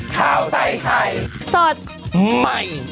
ข้าวใส่ไข่สดใหม่